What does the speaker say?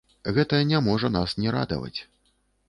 Гэта не можа нас не радаваць.